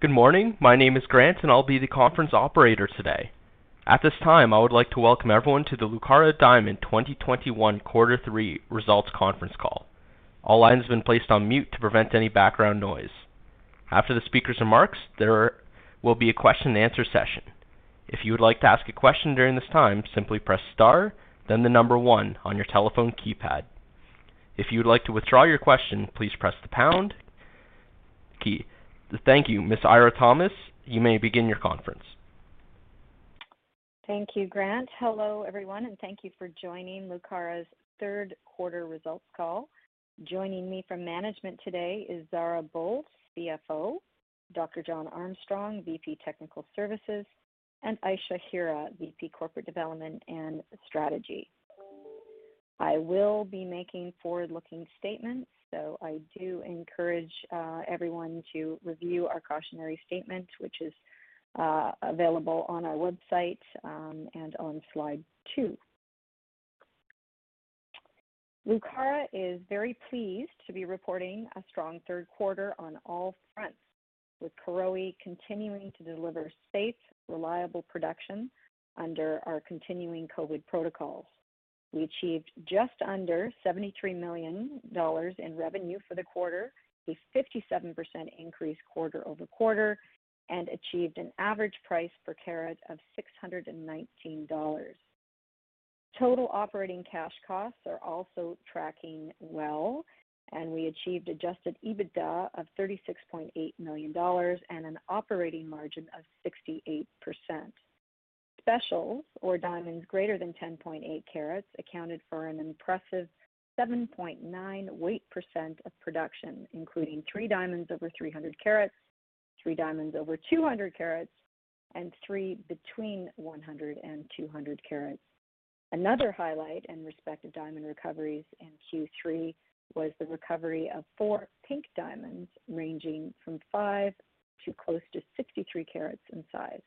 Good morning. My name is Grant, and I'll be the conference operator today. At this time, I would like to welcome everyone to the Lucara Diamond 2021 quarter three results conference call. All lines have been placed on mute to prevent any background noise. After the speaker's remarks, there will be a question and answer session. If you would like to ask a question during this time, simply press star, then the number one on your telephone keypad. If you would like to withdraw your question, please press the pound key. Thank you. Ms. Eira Thomas, you may begin your conference. Thank you, Grant. Hello, everyone, and thank you for joining Lucara's third quarter results call. Joining me from management today is Zara Boldt, CFO, Dr. John Armstrong, VP Technical Services, and Ayesha Hira, VP Corporate Development and Strategy. I will be making forward-looking statements, so I do encourage everyone to review our cautionary statement, which is available on our website and on slide two. Lucara is very pleased to be reporting a strong third quarter on all fronts, with Karowe continuing to deliver safe, reliable production under our continuing COVID protocols. We achieved just under $73 million in revenue for the quarter, a 57% increase quarter-over-quarter, and achieved an average price per carat of $619. Total operating cash costs are also tracking well, and we achieved adjusted EBITDA of $36.8 million and an operating margin of 68%. Specials or diamonds greater than 10.8 carats accounted for an impressive 7.9 weight % of production, including three diamonds over 300 carats, three diamonds over 200 carats, and three between 100 and 200 carats. Another highlight in respect of diamond recoveries in Q3 was the recovery of four pink diamonds ranging from five to close to 63 carats in size.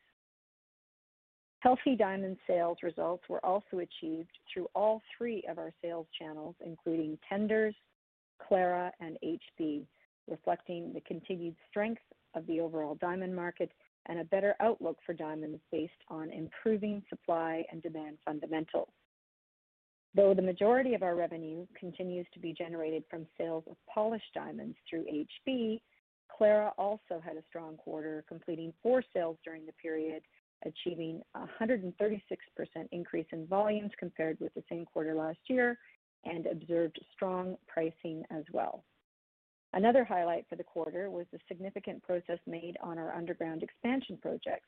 Healthy diamond sales results were also achieved through all three of our sales channels, including Tenders, Clara, and HB, reflecting the continued strength of the overall diamond market and a better outlook for diamonds based on improving supply and demand fundamentals. Though the majority of our revenue continues to be generated from sales of polished diamonds through HB, Clara also had a strong quarter, completing four sales during the period, achieving a 136% increase in volumes compared with the same quarter last year and observed strong pricing as well. Another highlight for the quarter was the significant progress made on our underground expansion project.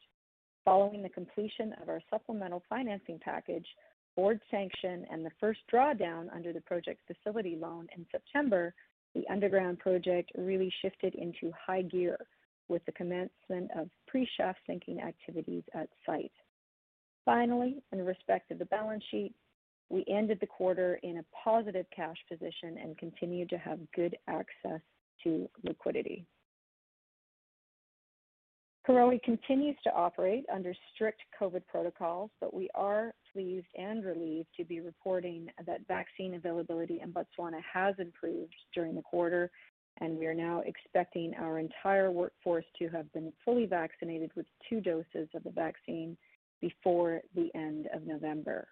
Following the completion of our supplemental financing package, board sanction, and the first drawdown under the project facility loan in September, the underground project really shifted into high gear with the commencement of pre-sink shaft sinking activities at site. Finally, in respect of the balance sheet, we ended the quarter in a positive cash position and continued to have good access to liquidity. Karowe continues to operate under strict COVID protocols, but we are pleased and relieved to be reporting that vaccine availability in Botswana has improved during the quarter, and we are now expecting our entire workforce to have been fully vaccinated with two doses of the vaccine before the end of November.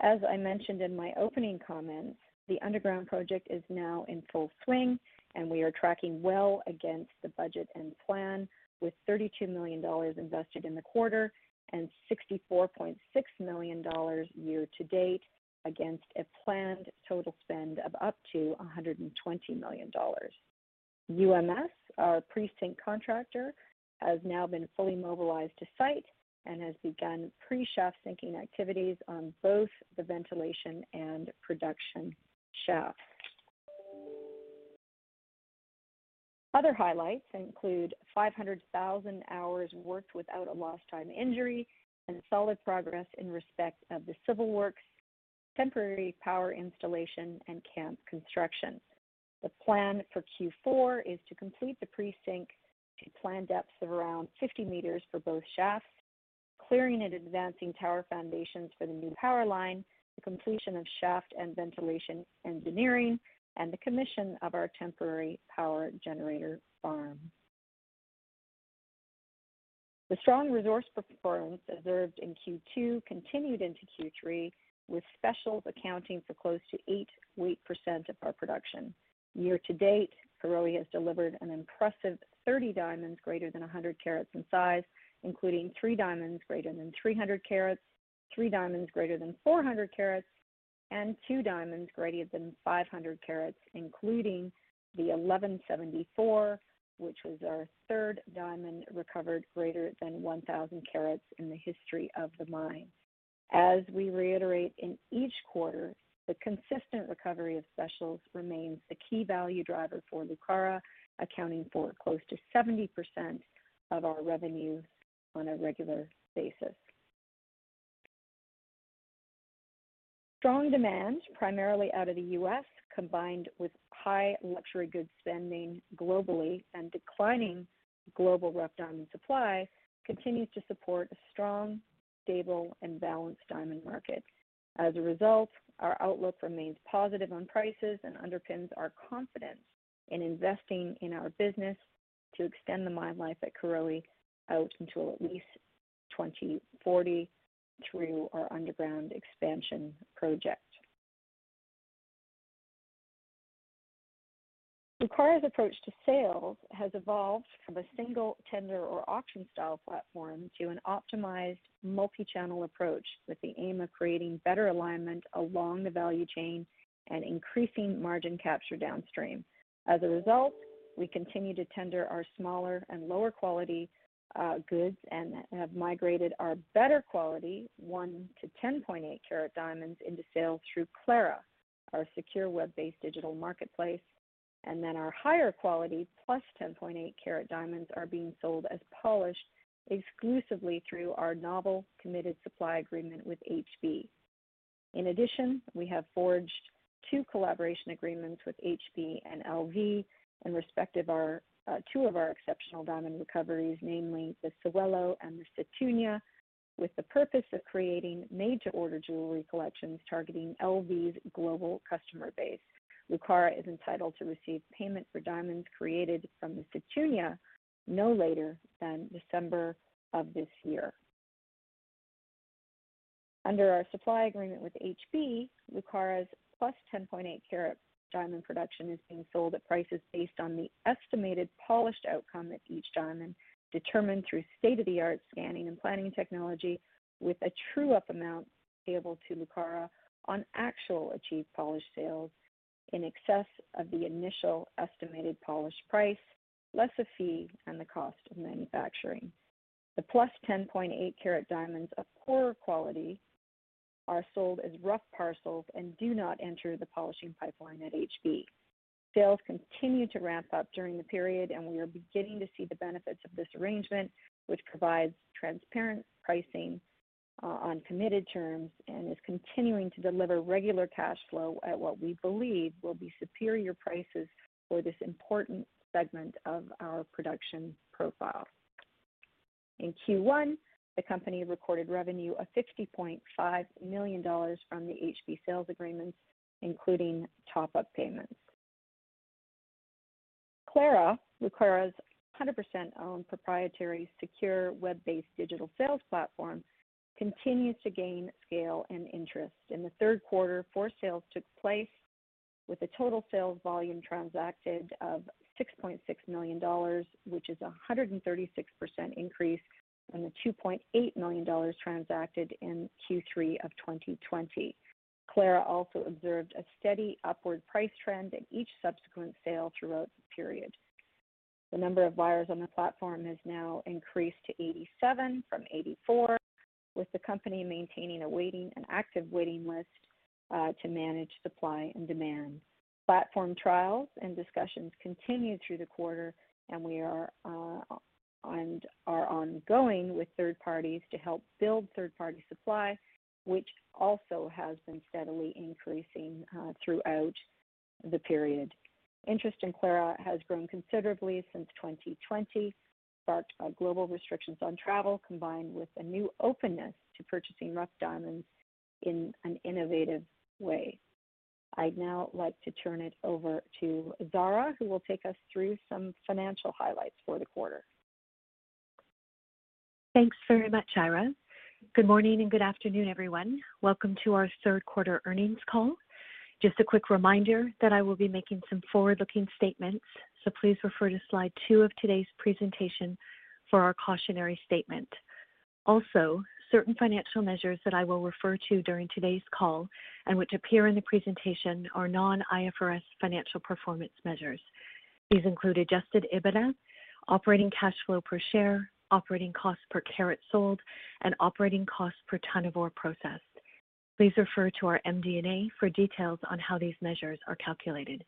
As I mentioned in my opening comments, the underground project is now in full swing, and we are tracking well against the budget and plan with $32 million invested in the quarter and $64.6 million year to date against a planned total spend of up to $120 million. UMS, our pre-sink contractor, has now been fully mobilized to site and has begun pre-sink activities on both the ventilation and production shaft. Other highlights include 500,000 hours worked without a lost time injury and solid progress in respect of the civil works, temporary power installation, and camp construction. The plan for Q4 is to complete the pre-sink to plan depths of around 50 meters for both shafts, clearing and advancing tower foundations for the new power line, the completion of shaft and ventilation engineering, and the commission of our temporary power generator farm. The strong resource performance observed in Q2 continued into Q3, with specials accounting for close to eight weight % of our production. Year to date, Karowe has delivered an impressive 30 diamonds greater than 100 carats in size, including three diamonds greater than 300 carats, three diamonds greater than 400 carats, and two diamonds greater than 500 carats, including the 1,174, which was our third diamond recovered greater than 1,000 carats in the history of the mine. As we reiterate in each quarter, the consistent recovery of specials remains the key value driver for Lucara, accounting for close to 70% of our revenue on a regular basis. Strong demand, primarily out of the U.S., combined with high luxury goods spending globally and declining global rough diamond supply, continues to support a strong, stable, and balanced diamond market. As a result, our outlook remains positive on prices and underpins our confidence in investing in our business to extend the mine life at Karowe out until at least 2040 through our underground expansion project. Lucara's approach to sales has evolved from a single tender or auction style platform to an optimized multi-channel approach with the aim of creating better alignment along the value chain and increasing margin capture downstream. As a result, we continue to tender our smaller and lower quality goods and have migrated our better quality 1-10.8 carat diamonds into sales through Clara, our secure web-based digital marketplace. Our higher quality +10.8 carat diamonds are being sold as polished exclusively through our novel committed supply agreement with HB. In addition, we have forged two collaboration agreements with HB and LV in respect of our two of our exceptional diamond recoveries, namely The Sewelô and The Sethunya, with the purpose of creating made-to-order jewelry collections targeting LV's global customer base. Lucara is entitled to receive payment for diamonds created from The Sethunya no later than December of this year. Under our supply agreement with HB, Lucara's +10.8 carat diamond production is being sold at prices based on the estimated polished outcome of each diamond, determined through state-of-the-art scanning and planning technology with a true-up amount payable to Lucara on actual achieved polished sales in excess of the initial estimated polished price, less a fee and the cost of manufacturing. The +10.8-carat diamonds of poorer quality are sold as rough parcels and do not enter the polishing pipeline at HB. Sales continued to ramp up during the period, and we are beginning to see the benefits of this arrangement, which provides transparent pricing on committed terms and is continuing to deliver regular cash flow at what we believe will be superior prices for this important segment of our production profile. In Q1, the company recorded revenue of $60.5 million from the HB sales agreements, including top-up payments. Clara, Lucara's 100% owned proprietary, secure, web-based digital sales platform, continues to gain scale and interest. In the third quarter, four sales took place with a total sales volume transacted of $6.6 million, which is a 136% increase from the $2.8 million transacted in Q3 of 2020. Clara also observed a steady upward price trend in each subsequent sale throughout the period. The number of buyers on the platform has now increased to 87 from 84, with the company maintaining an active waiting list to manage supply and demand. Platform trials and discussions continued through the quarter, and are ongoing with third parties to help build third-party supply, which also has been steadily increasing throughout the period. Interest in Clara has grown considerably since 2020, sparked by global restrictions on travel combined with a new openness to purchasing rough diamonds in an innovative way. I'd now like to turn it over to Zara, who will take us through some financial highlights for the quarter. Thanks very much, Eira. Good morning and good afternoon, everyone. Welcome to our third quarter earnings call. Just a quick reminder that I will be making some forward-looking statements, so please refer to slide 2 of today's presentation for our cautionary statement. Also, certain financial measures that I will refer to during today's call and which appear in the presentation are non-IFRS financial performance measures. These include adjusted EBITDA, operating cash flow per share, operating cost per carat sold, and operating cost per ton of ore processed. Please refer to our MD&A for details on how these measures are calculated.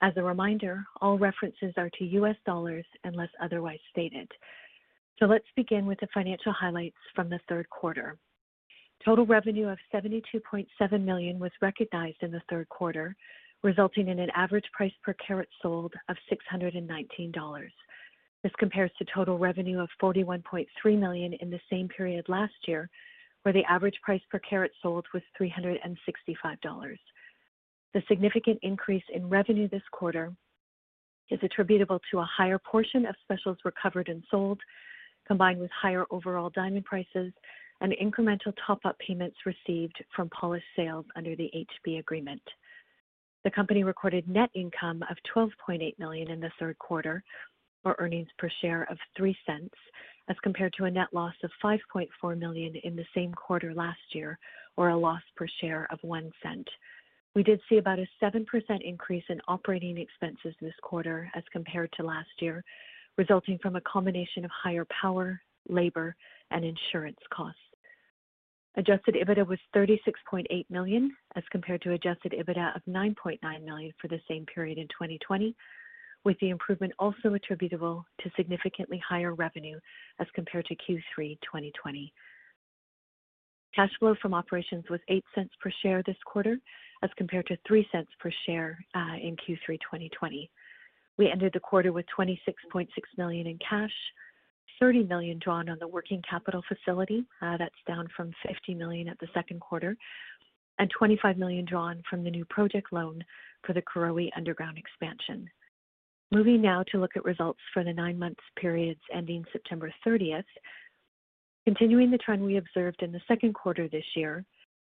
As a reminder, all references are to U.S. dollars unless otherwise stated. Let's begin with the financial highlights from the third quarter. Total revenue of $72.7 million was recognized in the third quarter, resulting in an average price per carat sold of $619. This compares to total revenue of $41.3 million in the same period last year, where the average price per carat sold was $365. The significant increase in revenue this quarter is attributable to a higher portion of specials recovered and sold, combined with higher overall diamond prices and incremental top-up payments received from polished sales under the HB agreement. The company recorded net income of $12.8 million in the third quarter, or earnings per share of $0.03, as compared to a net loss of $5.4 million in the same quarter last year, or a loss per share of $0.01. We did see about a 7% increase in operating expenses this quarter as compared to last year, resulting from a combination of higher power, labor, and insurance costs. Adjusted EBITDA was $36.8 million, as compared to adjusted EBITDA of $9.9 million for the same period in 2020, with the improvement also attributable to significantly higher revenue as compared to Q3 2020. Cash flow from operations was $0.08 per share this quarter, as compared to $0.03 per share in Q3 2020. We ended the quarter with $26.6 million in cash. $30 million drawn on the working capital facility, that's down from $50 million at the second quarter, and $25 million drawn from the new project loan for the Karowe Underground Expansion. Moving now to look at results for the nine months periods ending September 30th. Continuing the trend we observed in the second quarter this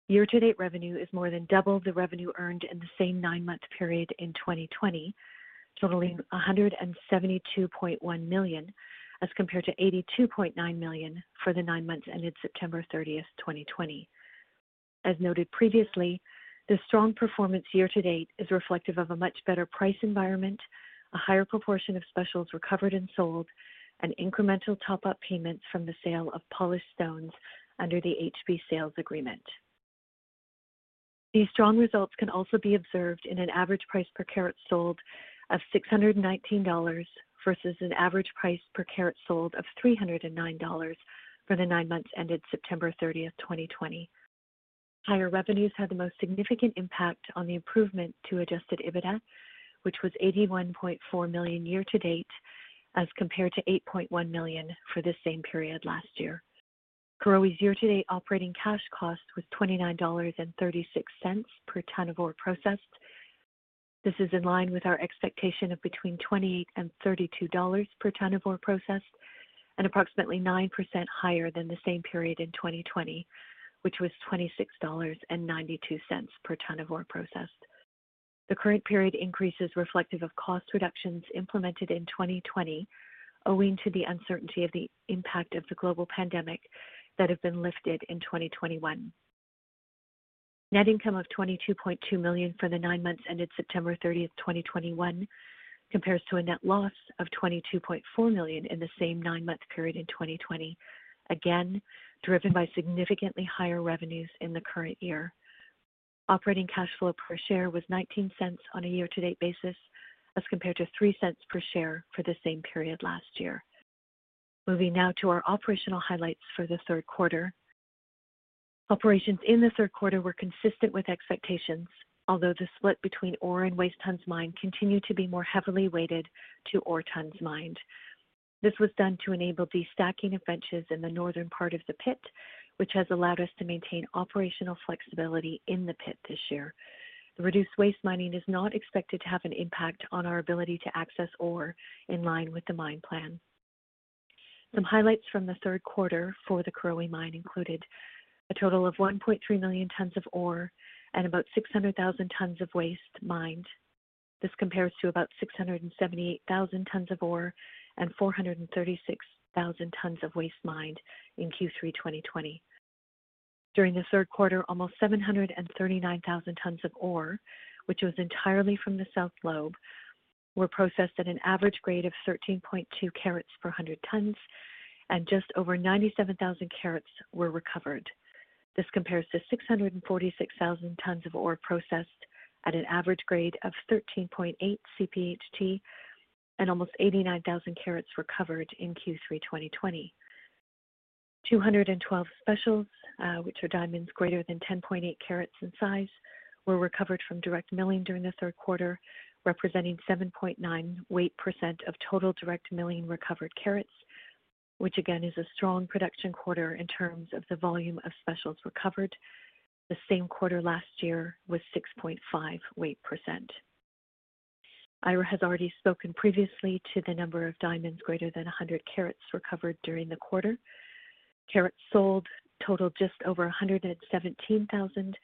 year-to-date revenue is more than double the revenue earned in the same nine-month period in 2020, totaling $172.1 million, as compared to $82.9 million for the nine months ended September 30th, 2020. As noted previously, the strong performance year-to-date is reflective of a much better price environment, a higher proportion of specials recovered and sold, and incremental top-up payments from the sale of polished stones under the HB sales agreement. These strong results can also be observed in an average price per carat sold of $619 versus an average price per carat sold of $309 for the nine months ended September 30th, 2020. Higher revenues had the most significant impact on the improvement to adjusted EBITDA, which was $81.4 million year-to-date as compared to $8.1 million for the same period last year. Karowe's year-to-date operating cash costs was $29.36 per ton of ore processed. This is in line with our expectation of between $28 and $32 per ton of ore processed and approximately 9% higher than the same period in 2020, which was $26.92 per ton of ore processed. The current period increase is reflective of cost reductions implemented in 2020, owing to the uncertainty of the impact of the global pandemic that have been lifted in 2021. Net income of $22.2 million for the nine months ended September 30th, 2021, compares to a net loss of $22.4 million in the same nine-month period in 2020, again, driven by significantly higher revenues in the current year. Operating cash flow per share was $0.19 on a year-to-date basis as compared to $0.03 per share for the same period last year. Moving now to our operational highlights for the third quarter. Operations in the third quarter were consistent with expectations, although the split between ore and waste tons mined continued to be more heavily weighted to ore tons mined. This was done to enable destacking of benches in the northern part of the pit, which has allowed us to maintain operational flexibility in the pit this year. The reduced waste mining is not expected to have an impact on our ability to access ore in line with the mine plan. Some highlights from the third quarter for the Karowe Mine included a total of 1.3 million tons of ore and about 600,000 tons of waste mined. This compares to about 678,000 tons of ore and 436,000 tons of waste mined in Q3 2020. During the third quarter, almost 739,000 tons of ore, which was entirely from the South lobe, were processed at an average grade of 13.2 carats per 100 tons, and just over 97,000 carats were recovered. This compares to 646,000 tons of ore processed at an average grade of 13.8 CPHT and almost 89,000 carats recovered in Q3 2020. 212 specials, which are diamonds greater than 10.8 carats in size, were recovered from direct milling during the third quarter, representing 7.9 weight % of total direct milling recovered carats, which again is a strong production quarter in terms of the volume of specials recovered. The same quarter last year was 6.5 weight %. Eira has already spoken previously to the number of diamonds greater than 100 carats recovered during the quarter. Carats sold totaled just over 117,000, which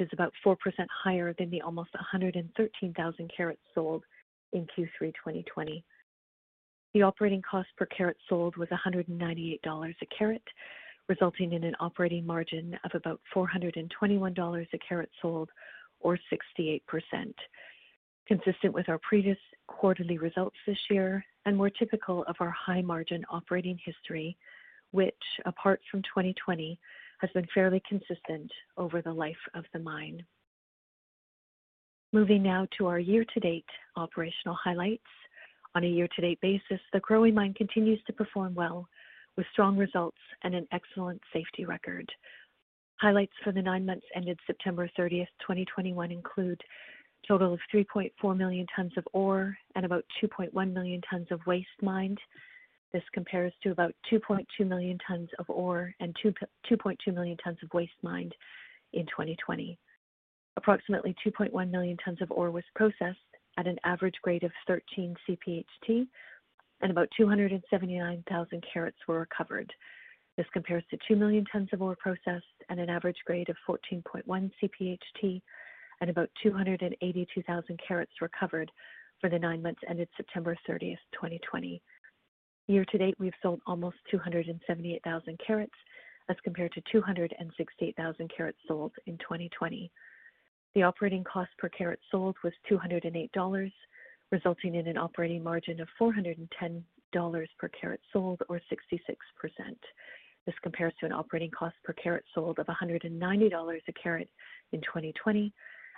is about 4% higher than the almost 113,000 carats sold in Q3 2020. The operating cost per carat sold was $198/carat, resulting in an operating margin of about $421/carat sold or 68%. Consistent with our previous quarterly results this year and more typical of our high margin operating history, which apart from 2020, has been fairly consistent over the life of the mine. Moving now to our year-to-date operational highlights. On a year-to-date basis, the Karowe Mine continues to perform well with strong results and an excellent safety record. Highlights for the nine months ended September 30th, 2021 include total of 3.4 million tons of ore and about 2.1 million tons of waste mined. This compares to about 2.2 million tons of ore and 2.2 million tons of waste mined in 2020. Approximately 2.1 million tons of ore was processed at an average grade of 13 CPHT, and about 279,000 carats were recovered. This compares to 2 million tons of ore processed at an average grade of 14.1 CPHT and about 282,000 carats recovered for the nine months ended September 30th, 2020. Year to date, we've sold almost 278,000 carats as compared to 268,000 carats sold in 2020. The operating cost per carat sold was $208, resulting in an operating margin of $410 per carat sold or 66%. This compares to an operating cost per carat sold of $190 a carat in 2020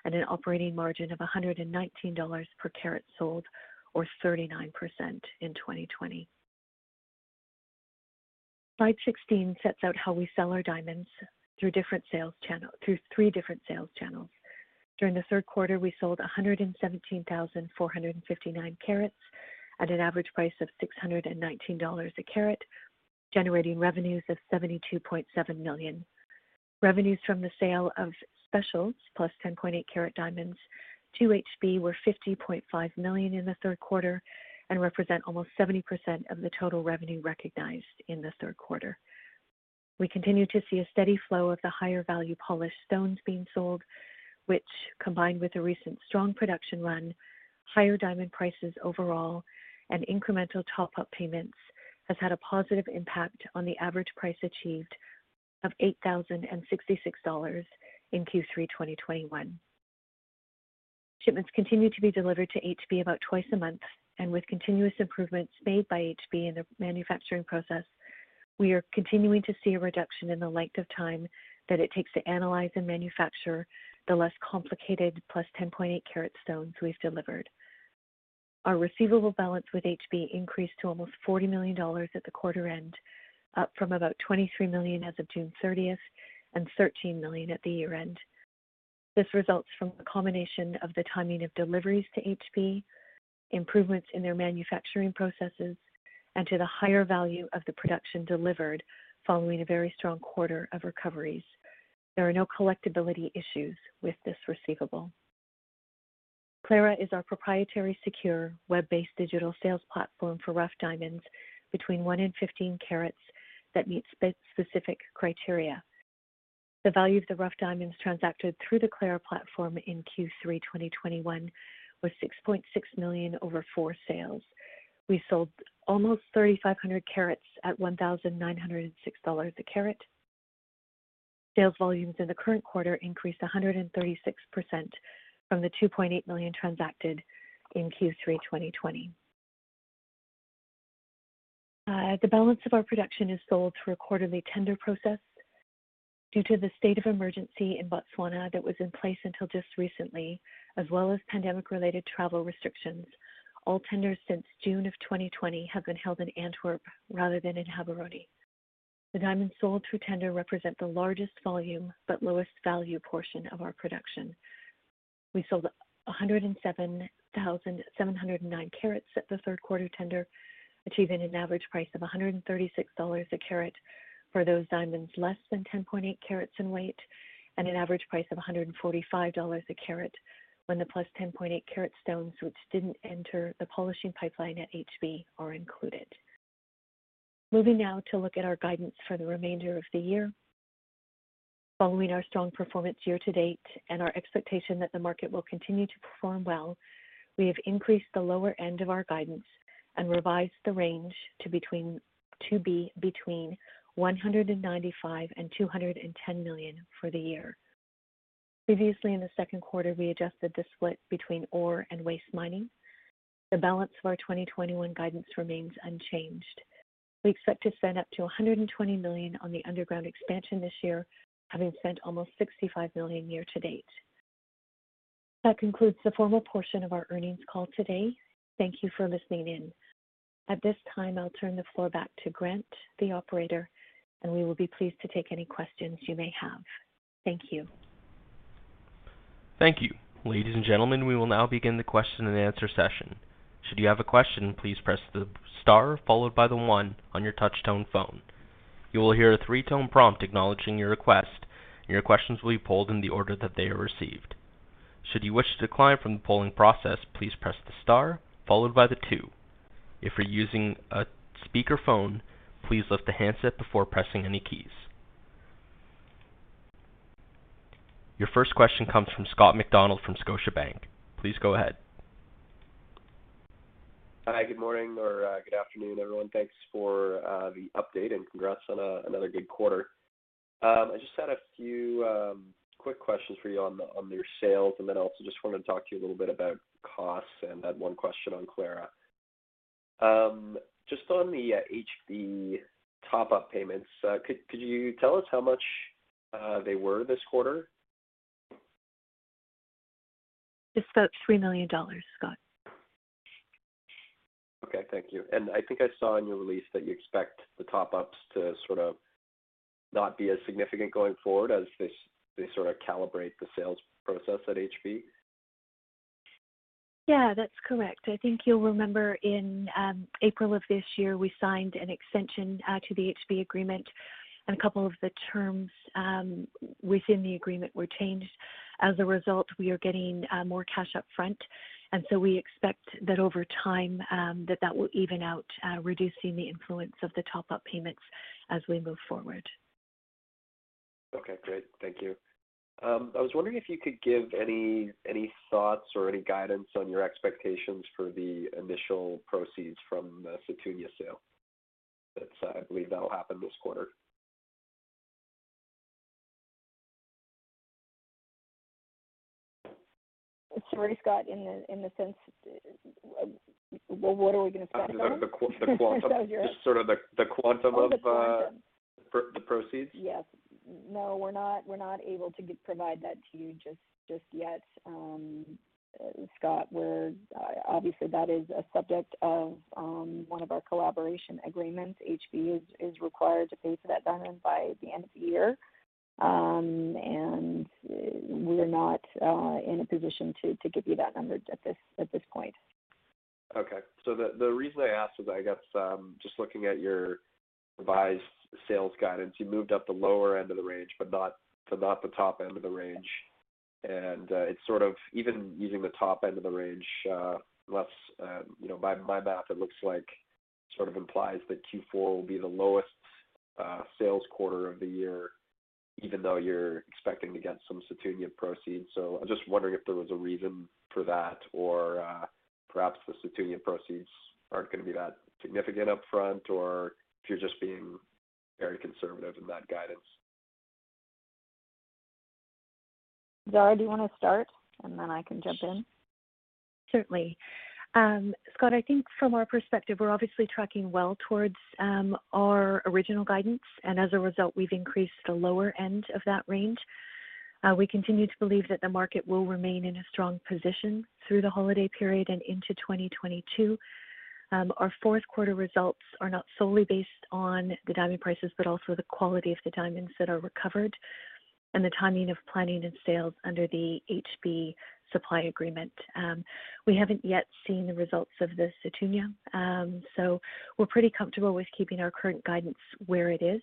and an operating margin of $119 per carat sold or 39% in 2020. Slide 16 sets out how we sell our diamonds through three different sales channels. During the third quarter, we sold 117,459 carats at an average price of $619 a carat, generating revenues of $72.7 million. Revenues from the sale of specials +10.8 carat diamonds to HB were $50.5 million in the third quarter and represent almost 70% of the total revenue recognized in the third quarter. We continue to see a steady flow of the higher value polished stones being sold, which combined with the recent strong production run, higher diamond prices overall and incremental top-up payments, has had a positive impact on the average price achieved of $8,066 in Q3 2021. Shipments continue to be delivered to HB about twice a month, and with continuous improvements made by HB in their manufacturing process, we are continuing to see a reduction in the length of time that it takes to analyze and manufacture the less complicated +10.8 carat stones we've delivered. Our receivable balance with HB increased to almost $40 million at the quarter end, up from about $23 million as of June 30th and $13 million at the year-end. This results from a combination of the timing of deliveries to HB, improvements in their manufacturing processes, and to the higher value of the production delivered following a very strong quarter of recoveries. There are no collectibility issues with this receivable. Clara is our proprietary, secure, web-based digital sales platform for rough diamonds between 1 and 15 carats that meet specific criteria. The value of the rough diamonds transacted through the Clara platform in Q3 2021 was $6.6 million over four sales. We sold almost 3,500 carats at $1,906 a carat. Sales volumes in the current quarter increased 136% from the $2.8 million transacted in Q3 2020. The balance of our production is sold through a quarterly tender process. Due to the state of emergency in Botswana that was in place until just recently, as well as pandemic-related travel restrictions, all tenders since June of 2020 have been held in Antwerp rather than in Gaborone. The diamonds sold through tender represent the largest volume but lowest value portion of our production. We sold 107,709 carats at the third quarter tender, achieving an average price of $136 a carat for those diamonds less than 10.8 carats in weight, and an average price of $145 a carat when the +10.8 carat stones which didn't enter the polishing pipeline at HB are included. Moving now to look at our guidance for the remainder of the year. Following our strong performance year to date and our expectation that the market will continue to perform well, we have increased the lower end of our guidance and revised the range to between $195 million and $210 million for the year. Previously in the second quarter, we adjusted the split between ore and waste mining. The balance of our 2021 guidance remains unchanged. We expect to spend up to $120 million on the underground expansion this year, having spent almost $65 million year to date. That concludes the formal portion of our earnings call today. Thank you for listening in. At this time, I'll turn the floor back to Grant, the operator, and we will be pleased to take any questions you may have. Thank you. Thank you. Ladies and gentlemen, we will now begin the question and answer session. Should you have a question, please press the star followed by the one on your touch tone phone. You will hear a three-tone prompt acknowledging your request. Your questions will be pulled in the order that they are received. Should you wish to decline from the polling process, please press the star followed by the two. If you're using a speakerphone, please lift the handset before pressing any keys. Your first question comes from Scott MacDonald from Scotiabank. Please go ahead. Hi, good morning or good afternoon, everyone. Thanks for the update and congrats on another good quarter. I just had a few quick questions for you on your sales, and then I also just wanna talk to you a little bit about costs and had one question on Clara. Just on the HB top-up payments, could you tell us how much they were this quarter? Just about $3 million, Scott. Okay, thank you. I think I saw in your release that you expect the top-ups to sort of not be as significant going forward as they sort of calibrate the sales process at HB. Yeah, that's correct. I think you'll remember in April of this year, we signed an extension to the HB agreement, and a couple of the terms within the agreement were changed. As a result, we are getting more cash up front, and so we expect that over time, that will even out, reducing the influence of the top-up payments as we move forward. Okay, great. Thank you. I was wondering if you could give any thoughts or any guidance on your expectations for the initial proceeds from Sethunya sale. That's, I believe that'll happen this quarter. Sorry, Scott, in the sense, what are we gonna sell here? The quantum. Just sort of the quantum for the proceeds? Yes. No, we're not able to provide that to you just yet, Scott. Obviously that is a subject of one of our collaboration agreements. HB is required to pay for that diamond by the end of the year. We're not in a position to give you that number at this point. Okay. The reason I asked is I guess just looking at your revised sales guidance, you moved up the lower end of the range, but not the top end of the range. It's sort of even using the top end of the range, let's you know by my math, it looks like sort of implies that Q4 will be the lowest sales quarter of the year, even though you're expecting to get some Sethunya proceeds. I'm just wondering if there was a reason for that or perhaps the Sethunya proceeds aren't gonna be that significant upfront, or if you're just being very conservative in that guidance. Zara, do you wanna start and then I can jump in? Certainly. Scott, I think from our perspective, we're obviously tracking well towards our original guidance, and as a result, we've increased the lower end of that range. We continue to believe that the market will remain in a strong position through the holiday period and into 2022. Our fourth quarter results are not solely based on the diamond prices, but also the quality of the diamonds that are recovered and the timing of planning and sales under the HB supply agreement. We haven't yet seen the results of the Sethunya, so we're pretty comfortable with keeping our current guidance where it is.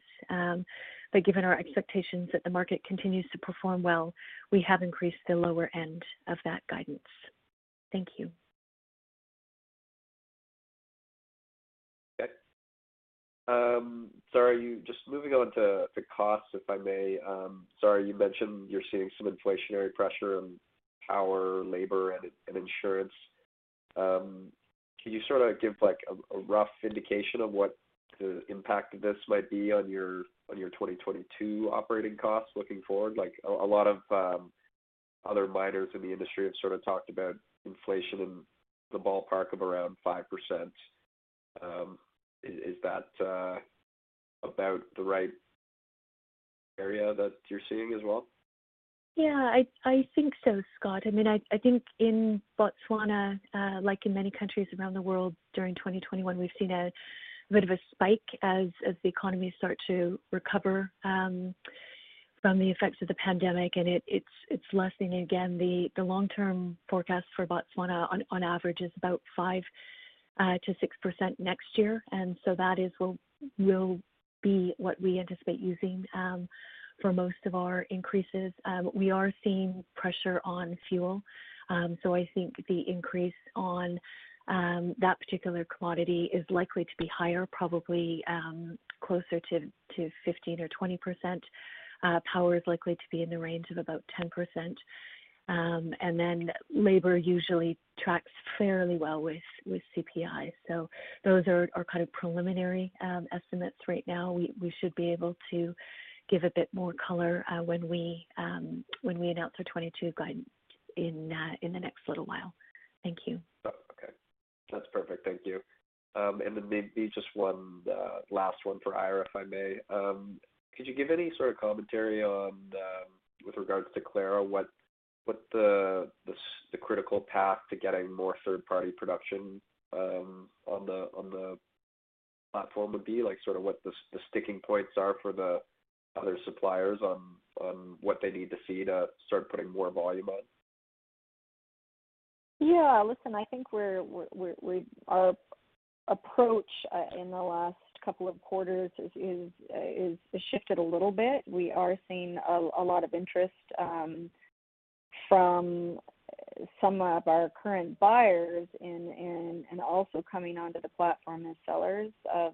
Given our expectations that the market continues to perform well, we have increased the lower end of that guidance. Thank you. Okay. Zara, just moving on to costs, if I may. Zara, you mentioned you're seeing some inflationary pressure in power, labor, and insurance. Can you sort of give like a rough indication of what the impact of this might be on your 2022 operating costs looking forward? Like, a lot of other miners in the industry have sort of talked about inflation in the ballpark of around 5%. Is that about the right area that you're seeing as well? Yeah, I think so, Scott. I mean, I think in Botswana, like in many countries around the world during 2021, we've seen a bit of a spike as the economies start to recover from the effects of the pandemic. It's lessening again. The long term forecast for Botswana on average is about 5%-6% next year. That will be what we anticipate using for most of our increases. We are seeing pressure on fuel. So I think the increase on that particular commodity is likely to be higher, probably closer to 15% or 20%. Power is likely to be in the range of about 10%. Then labor usually tracks fairly well with CPI. Those are kind of preliminary estimates right now. We should be able to give a bit more color when we announce our 2022 guidance in the next little while. Thank you. Oh, okay. That's perfect. Thank you. Maybe just one last one for Eira, if I may. Could you give any sort of commentary with regards to Clara, what the critical path to getting more third-party production on the platform would be? Like, sort of what the sticking points are for the other suppliers on what they need to see to start putting more volume on? Listen, I think our approach in the last couple of quarters is shifted a little bit. We are seeing a lot of interest from some of our current buyers and also coming onto the platform as sellers of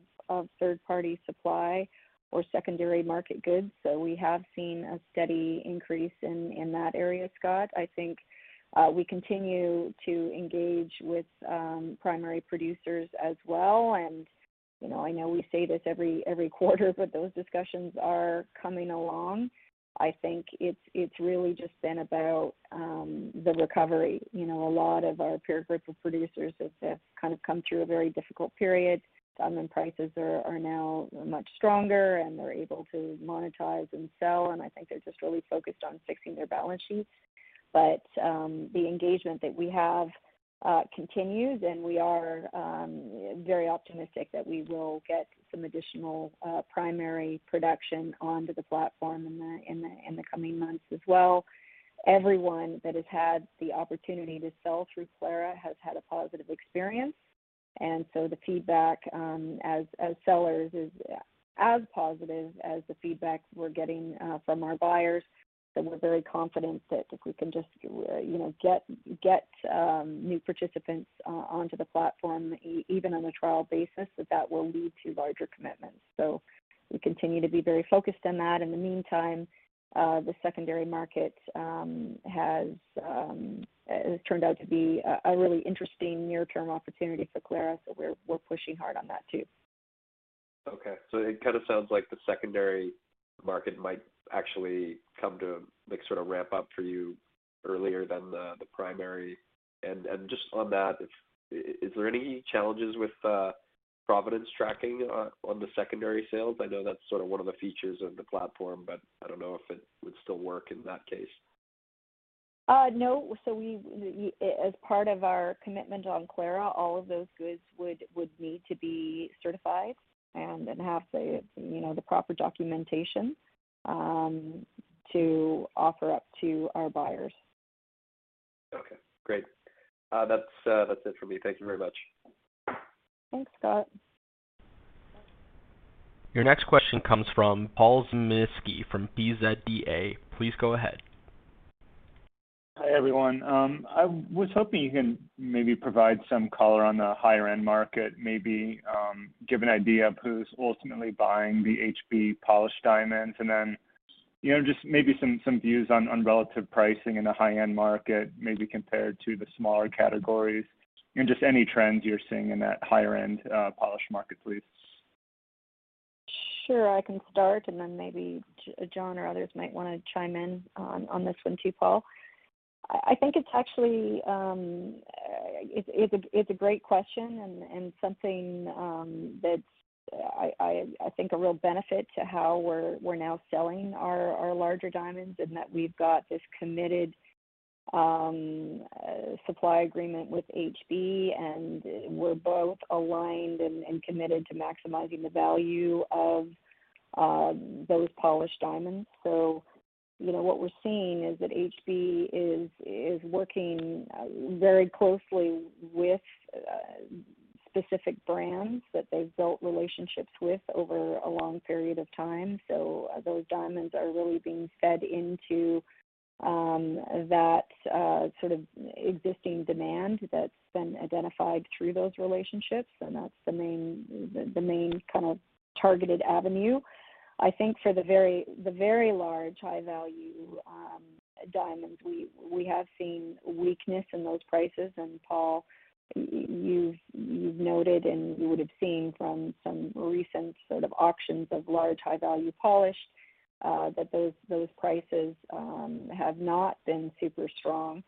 third-party supply or secondary market goods. We have seen a steady increase in that area, Scott. I think we continue to engage with primary producers as well. You know, I know we say this every quarter, but those discussions are coming along. I think it's really just been about the recovery. You know, a lot of our peer group of producers have kind of come through a very difficult period. Diamond prices are now much stronger, and they're able to monetize and sell, and I think they're just really focused on fixing their balance sheets. The engagement that we have continues, and we are very optimistic that we will get some additional primary production onto the platform in the coming months as well. Everyone that has had the opportunity to sell through Clara has had a positive experience. The feedback as sellers is as positive as the feedback we're getting from our buyers. We're very confident that if we can just you know get new participants onto the platform even on a trial basis, that will lead to larger commitments. We continue to be very focused on that. In the meantime, the secondary market has turned out to be a really interesting near-term opportunity for Clara, so we're pushing hard on that too. Okay. It kinda sounds like the secondary The market might actually come to like sort of ramp up for you earlier than the primary. Just on that, is there any challenges with provenance tracking on the secondary sales? I know that's sort of one of the features of the platform, but I don't know if it would still work in that case. No. We, as part of our commitment on Clara, all of those goods would need to be certified and have the, you know, the proper documentation to offer up to our buyers. Okay, great. That's it for me. Thank you very much. Thanks, Scott. Your next question comes from Paul Zimnisky from PZDA. Please go ahead. Hi, everyone. I was hoping you can maybe provide some color on the high-end market, maybe, give an idea of who's ultimately buying the HB polished diamonds. You know, just maybe some views on relative pricing in the high-end market, maybe compared to the smaller categories and just any trends you're seeing in that higher end, polished market, please. Sure. I can start and then maybe John or others might wanna chime in on this one too, Paul. I think it's actually a great question and something that I think a real benefit to how we're now selling our larger diamonds in that we've got this committed supply agreement with HB, and we're both aligned and committed to maximizing the value of those polished diamonds. You know, what we're seeing is that HB is working very closely with specific brands that they've built relationships with over a long period of time. Those diamonds are really being fed into that sort of existing demand that's been identified through those relationships, and that's the main kind of targeted avenue. I think for the very large high value diamonds, we have seen weakness in those prices. Paul, you've noted and you would have seen from some recent sort of auctions of large high value polished that those prices have not been super strong.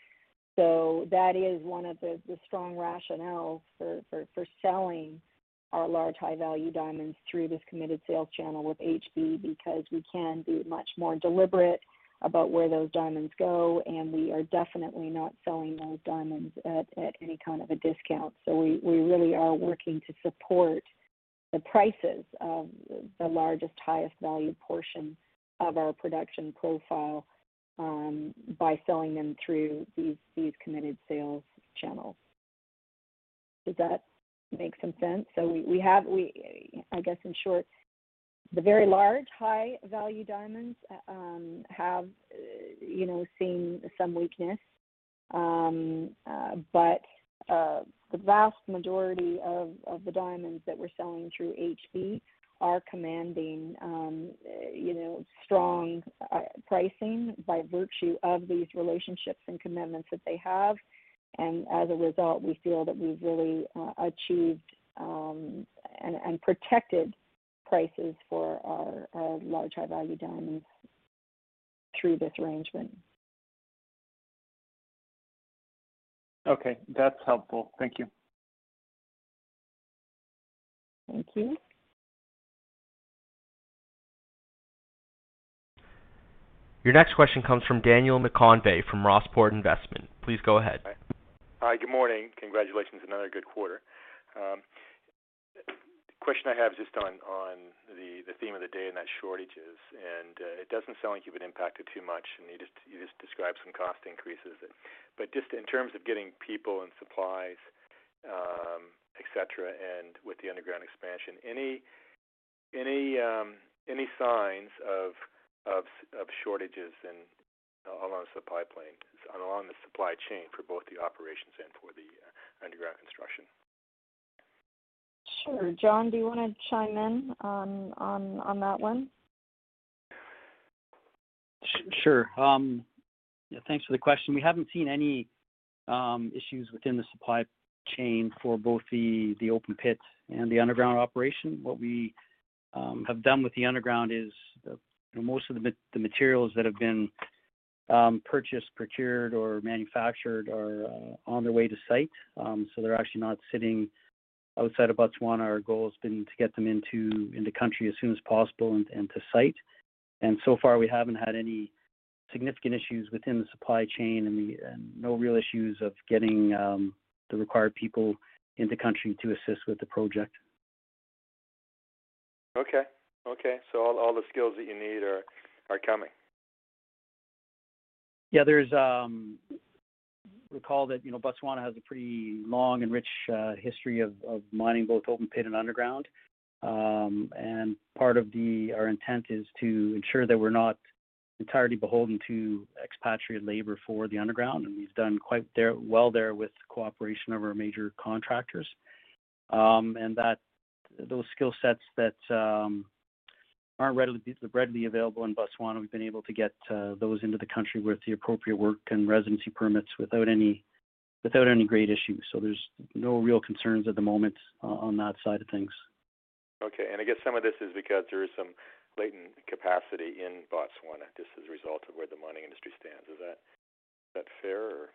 That is one of the strong rationale for selling our large high value diamonds through this committed sales channel with HB, because we can be much more deliberate about where those diamonds go, and we are definitely not selling those diamonds at any kind of a discount. We really are working to support the prices of the largest, highest value portion of our production profile by selling them through these committed sales channels. Does that make some sense? I guess in short, the very large high value diamonds you know have seen some weakness. But the vast majority of the diamonds that we're selling through HB are commanding you know strong pricing by virtue of these relationships and commitments that they have. As a result, we feel that we've really achieved and protected prices for our large high value diamonds through this arrangement. Okay. That's helpful. Thank you. Thank you. Your next question comes from Daniel McConvey from Rossport Investments. Please go ahead. Hi. Good morning. Congratulations, another good quarter. The question I have is just on the theme of the day and the shortages, and it doesn't sound like you've been impacted too much, and you just described some cost increases. Just in terms of getting people and supplies, et cetera, and with the underground expansion, any signs of shortages along the supply chain for both the operations and for the underground construction? Sure. John, do you wanna chime in on that one? Sure. Thanks for the question. We haven't seen any issues within the supply chain for both the open pit and the underground operation. What we have done with the underground is most of the materials that have been purchased, procured, or manufactured are on their way to site. So they're actually not sitting outside of Botswana. Our goal has been to get them into the country as soon as possible and to site. So far we haven't had any significant issues within the supply chain and no real issues of getting the required people in the country to assist with the project. Okay. All the skills that you need are coming. Recall that, you know, Botswana has a pretty long and rich history of mining, both open pit and underground. Part of our intent is to ensure that we're not entirely beholden to expatriate labor for the underground, and we've done quite well there with the cooperation of our major contractors. Those skill sets that aren't readily available in Botswana, we've been able to get those into the country with the appropriate work and residency permits without any great issues. There's no real concerns at the moment on that side of things. Okay. I guess some of this is because there is some latent capacity in Botswana just as a result of where the mining industry stands. Is that fair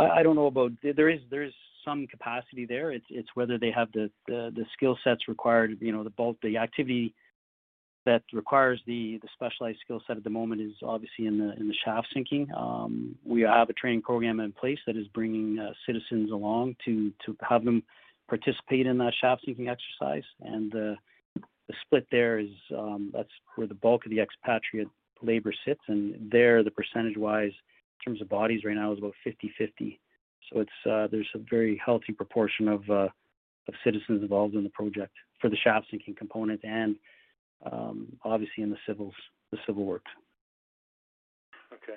or not? I don't know about. There is some capacity there. It's whether they have the skill sets required. You know, the bulk of the activity that requires the specialized skill set at the moment is obviously in the shaft sinking. We have a training program in place that is bringing citizens along to have them participate in that shaft sinking exercise. The split there is, that's where the bulk of the expatriate labor sits. There, the percentage-wise in terms of bodies right now is about 50/50. There's a very healthy proportion of citizens involved in the project for the shaft sinking component and obviously in the civils, the civil works. Okay,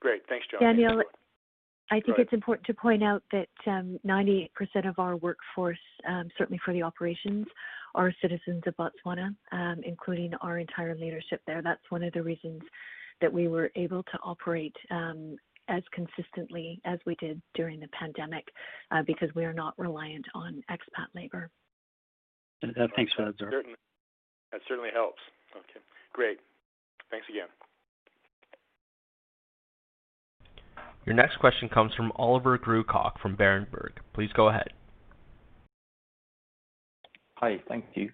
great. Thanks, John. Daniel, I think it's important to point out that 90% of our workforce, certainly for the operations, are citizens of Botswana, including our entire leadership there. That's one of the reasons that we were able to operate as consistently as we did during the pandemic, because we are not reliant on expat labor. Thanks for that, Zara. That certainly helps. Okay, great. Thanks again. Your next question comes from Oliver Grewcock from Berenberg. Please go ahead. Hi. Thank you.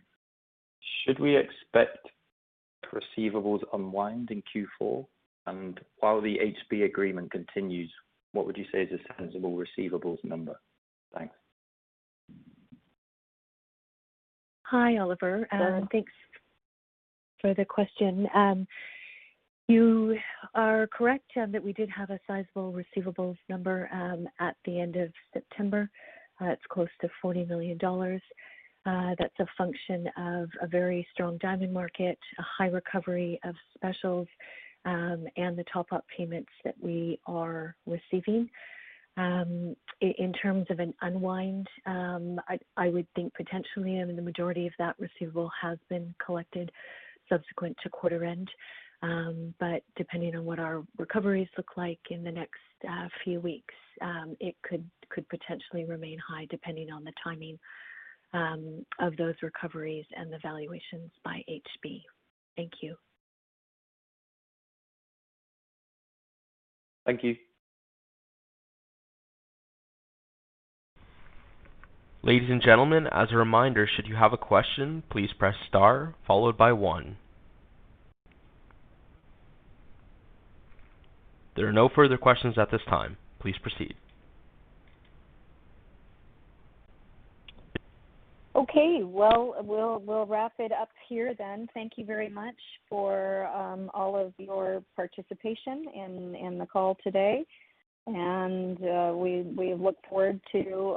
Should we expect receivables unwind in Q4? While the HB agreement continues, what would you say is a sensible receivables number? Thanks. Hi, Oliver. Thanks for the question. You are correct that we did have a sizable receivables number at the end of September. It's close to $40 million. That's a function of a very strong diamond market, a high recovery of specials, and the top-up payments that we are receiving. In terms of an unwind, I would think potentially, I mean, the majority of that receivable has been collected subsequent to quarter end. But depending on what our recoveries look like in the next few weeks, it could potentially remain high, depending on the timing of those recoveries and the valuations by HB. Thank you. Thank you. Ladies and gentlemen, as a reminder, should you have a question, please press star followed by one. There are no further questions at this time. Please proceed. Okay. Well, we'll wrap it up here then. Thank you very much for all of your participation in the call today. We look forward to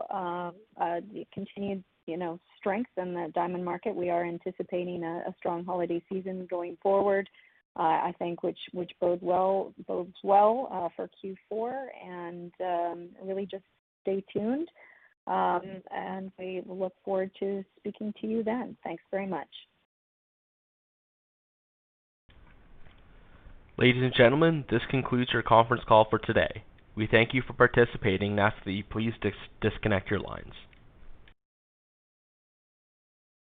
the continued, you know, strength in the diamond market. We are anticipating a strong holiday season going forward, I think which bodes well for Q4. Really just stay tuned, and we look forward to speaking to you then. Thanks very much. Ladies and gentlemen, this concludes your conference call for today. We thank you for participating. Please disconnect your lines.